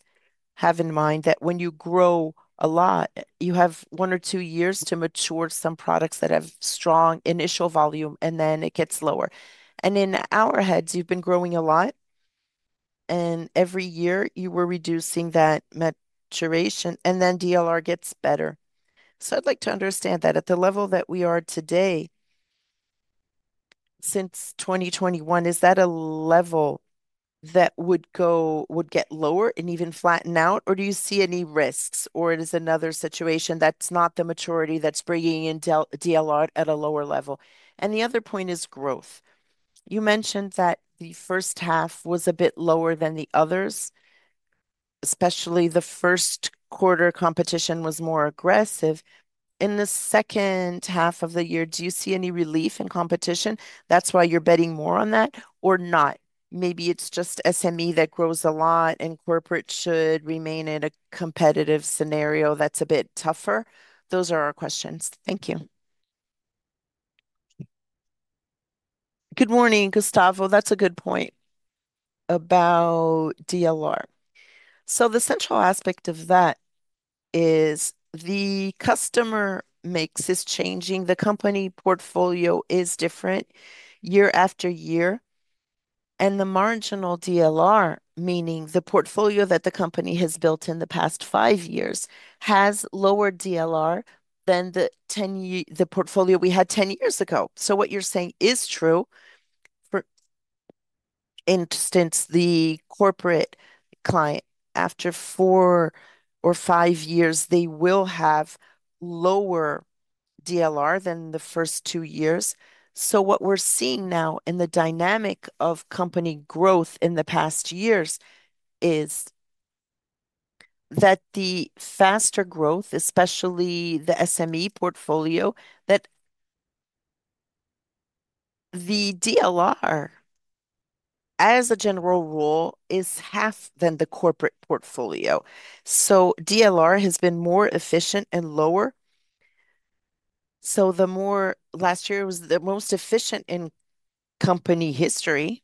have in mind that when you grow a lot, you have one or two years to mature some products that have strong initial volume, and then it gets lower. In our heads, you've been growing a lot, and every year you were reducing that maturation, and then DLR gets better. I'd like to understand that at the level that we are today, since 2021, is that a level that would get lower and even flatten out, or do you see any risks, or is it another situation that's not the maturity that's bringing in DLR at a lower level? The other point is growth. You mentioned that the first half was a bit lower than the others, especially the first quarter. Competition was more aggressive. In the second half of the year, do you see any relief in competition? That's why you're betting more on that or not? Maybe it's just SME that grows a lot, and corporate should remain in a competitive scenario that's a bit tougher. Those are our questions. Thank you. Good morning, Gustavo. That's a good point about DLR. The central aspect of that is the customer mix is changing. The company portfolio is different year-after-year. The marginal DLR, meaning the portfolio that the company has built in the past 5 years, has lower DLR than the portfolio we had 10 years ago. What you're saying is true. For instance, the corporate client, after 4 or 5 years, will have lower DLR than the first 2 years. What we're seeing now in the dynamic of company growth in the past years is that the faster growth, especially the SME portfolio, that the DLR, as a general rule, is half than the corporate portfolio. DLR has been more efficient and lower. Last year was the most efficient in company history,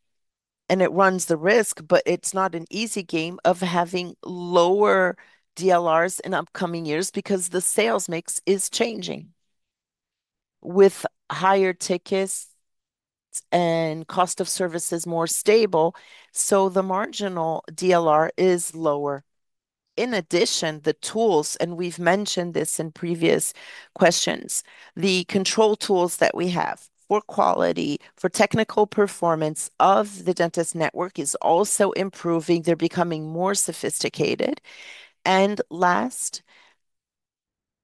and it runs the risk, but it's not an easy game of having lower DLRs in upcoming years because the sales mix is changing with higher tickets and cost of services more stable. The marginal DLR is lower. In addition, the tools, and we've mentioned this in previous questions, the control tools that we have for quality, for technical performance of the dentist network, are also improving. They're becoming more sophisticated. Last,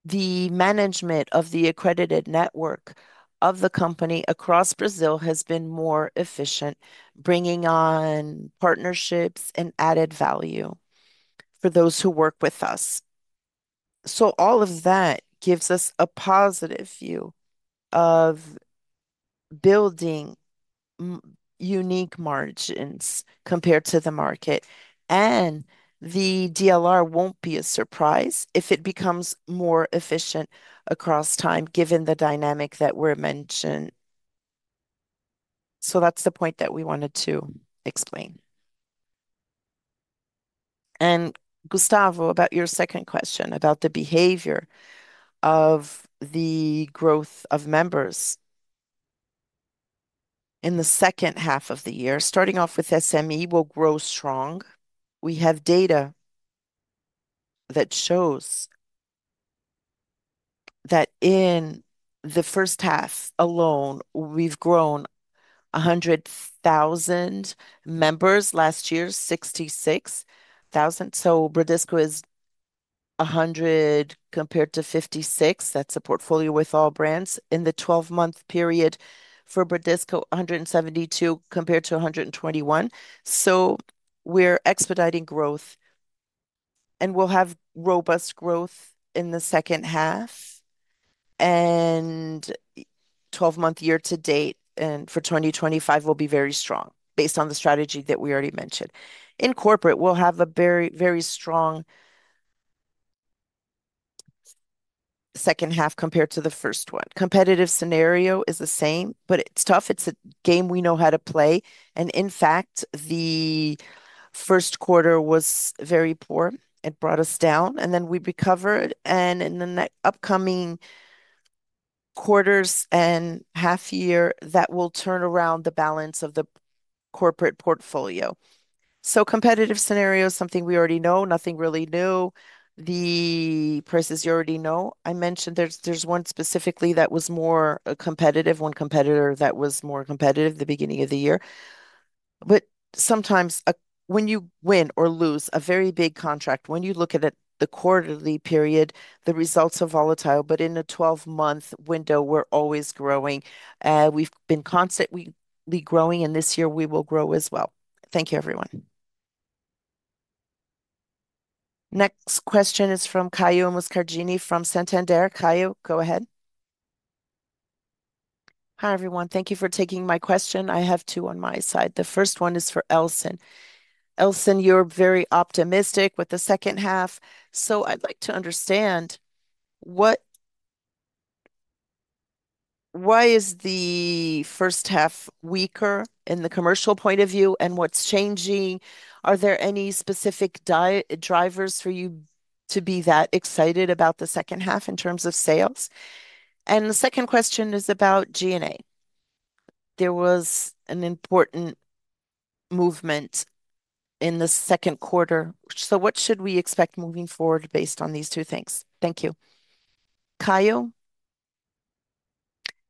the management of the accredited network of the company across Brazil has been more efficient, bringing on partnerships and added value for those who work with us. All of that gives us a positive view of building unique margins compared to the market. The DLR won't be a surprise if it becomes more efficient across time, given the dynamic that we mentioned. That's the point that we wanted to explain. Gustavo, about your second question about the behavior of the growth of members in the second half of the year, starting off with SME, we'll grow strong. We have data that shows that in the first half alone, we've grown 100,000 members. Last year, 66,000. Bradesco is 100 compared to 56. That's a portfolio with all brands. In the 12-month period for Bradesco, 172 compared to 121. We're expediting growth, and we'll have robust growth in the second half. In 12-month year-to-date, and for 2025, we'll be very strong based on the strategy that we already mentioned. In corporate, we'll have a very, very strong second half compared to the first one. Competitive scenario is the same, but it's tough. It's a game we know how to play. In fact, the first quarter was very poor. It brought us down, and then we recovered. In the upcoming quarters and half year, that will turn around the balance of the corporate portfolio. Competitive scenario is something we already know, nothing really new. The prices you already know. I mentioned there's one specifically that was more competitive, one competitor that was more competitive at the beginning of the year. Sometimes when you win or lose a very big contract, when you look at the quarterly period, the results are volatile. In a 12-month window, we're always growing. We've been constantly growing, and this year we will grow as well. Thank you, everyone. Next question is from Caio Moscargini from Santander. Caio, go ahead. Hi, everyone. Thank you for taking my question. I have two on my side. The first one is for Elsen. Elsen, you're very optimistic with the second half. I'd like to understand why is the first half weaker in the commercial point of view, and what's changing? Are there any specific drivers for you to be that excited about the second half in terms of sales? The second question is about G&A. There was an important movement in the second quarter. What should we expect moving forward based on these two things? Thank you. Caio?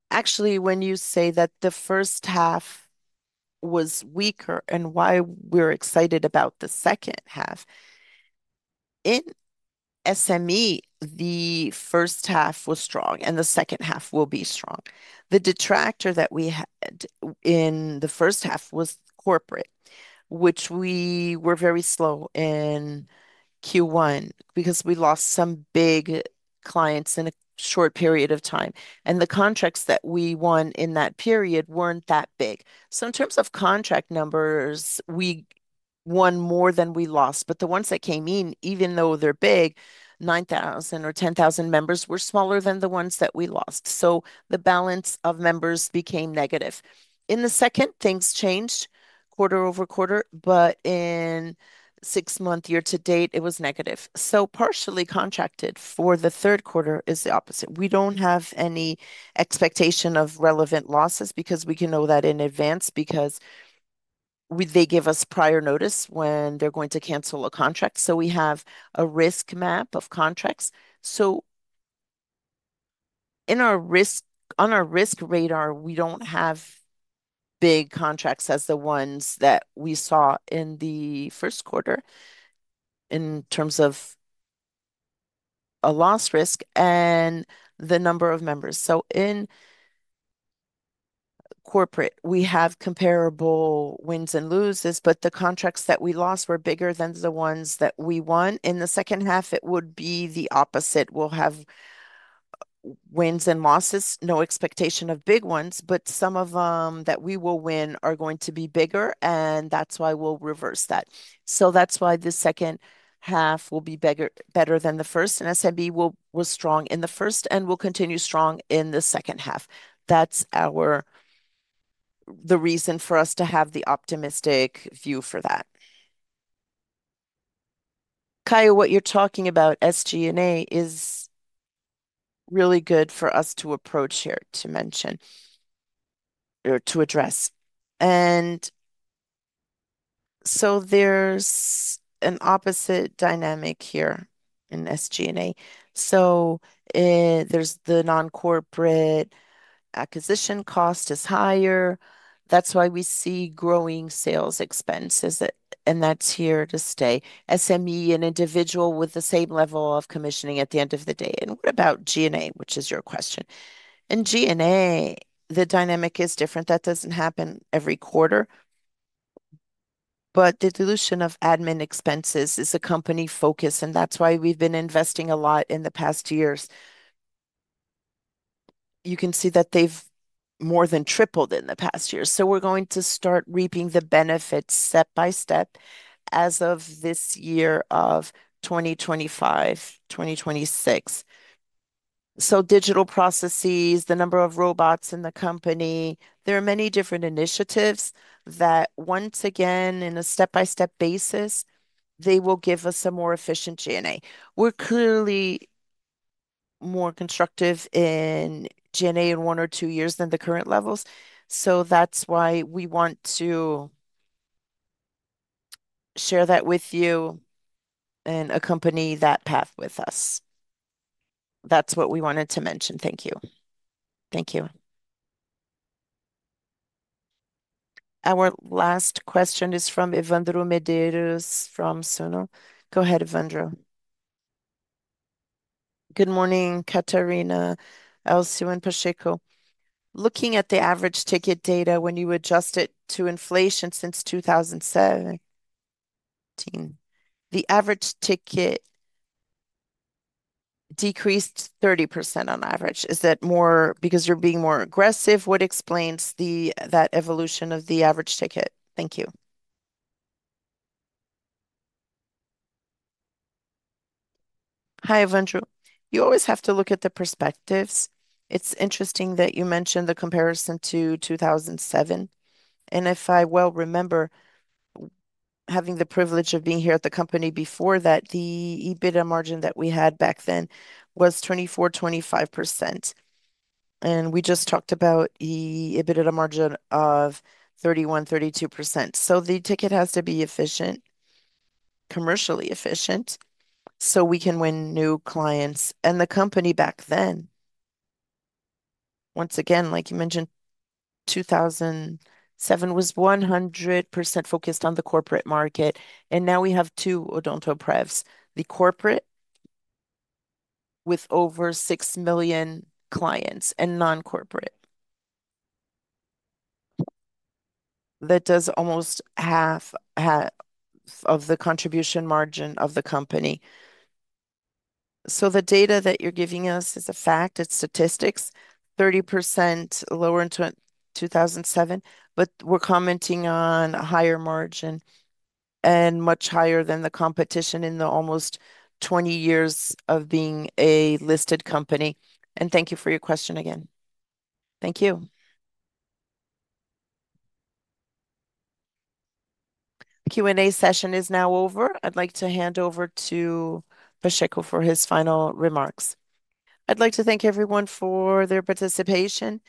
Actually, when you say that the first half was weaker and why we're excited about the second half, in SME, the first half was strong, and the second half will be strong. The detractor that we had in the first half was corporate, which we were very slow in Q1 because we lost some big clients in a short period of time. The contracts that we won in that period weren't that big. In terms of contract numbers, we won more than we lost, but the ones that came in, even though they're big, 9,000 or 10,000 members, were smaller than the ones that we lost. The balance of members became negative. In the second, things changed quarter-over-quarter, but in the 6-month year-to-date, it was negative. Partially contracted for the third quarter is the opposite. We don't have any expectation of relevant losses because we can know that in advance because they give us prior notice when they're going to cancel a contract. We have a risk map of contracts. On our risk radar, we don't have big contracts as the ones that we saw in the first quarter in terms of a loss risk and the number of members. In corporate, we have comparable wins and losses, but the contracts that we lost were bigger than the ones that we won. In the second half, it would be the opposite. We'll have wins and losses, no expectation of big ones, but some of them that we will win are going to be bigger, and that's why we'll reverse that. That's why the second half will be better than the first. SME was strong in the first and will continue strong in the second half. That's the reason for us to have the optimistic view for that. Caio, what you're talking about, SG&A, is really good for us to approach here to mention or to address. There's an opposite dynamic here in SG&A. The non-corporate acquisition cost is higher. That's why we see growing sales expenses, and that's here to stay. SME, an individual with the same level of commissioning at the end of the day. About G&A, which is your question. In G&A, the dynamic is different. That doesn't happen every quarter. The dilution of admin expenses is a company focus, and that's why we've been investing a lot in the past years. You can see that they've more than tripled in the past year. We're going to start reaping the benefits step-by-step as of this year, 2025, 2026. Digital processes, the number of robots in the company, there are many different initiatives that once again, in a step-by-step basis, they will give us a more efficient G&A. We're clearly more constructive in G&A in 1 or 2 years than the current levels. That's why we want to share that with you and accompany that path with us. That's what we wanted to mention. Thank you. Thank you. Our last question is from Evandro Medeiros from Suno. Go ahead, Evandro. Good morning, Catarina, Elsen, and Pacheco. Looking at the average ticket data when you adjust it to inflation since 2007, the average ticket decreased 30% on average. Is that more because you're being more aggressive? What explains that evolution of the average ticket? Thank you. Hi, Evandro. You always have to look at the perspectives. It's interesting that you mentioned the comparison to 2007. If I well remember, having the privilege of being here at the company before that, the EBITDA margin that we had back then was 24%, 25%. We just talked about EBITDA margin of 31%, 32%. The ticket has to be efficient, commercially efficient, so we can win new clients. The company back then, once again, like you mentioned, 2007, was 100% focused on the corporate market. Now we have two Odontoprevs, the corporate with over 6 million clients and non-corporate. That does almost half of the contribution margin of the company. The data that you're giving us is a fact. It's statistics. 30% lower in 2007. We're commenting on a higher margin and much higher than the competition in the almost 20 years of being a listed company. Thank you for your question again. Thank you. Q&A session is now over. I'd like to hand over to Pacheco for his final remarks. I'd like to thank everyone for their participation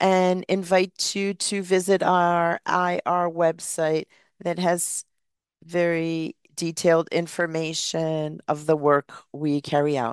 and invite you to visit our IR website that has very detailed information of the work we carry out.